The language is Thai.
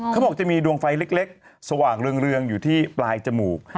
เขาบอกจะมีดวงไฟเล็กสว่างเรืองอยู่ที่ปลายจมูก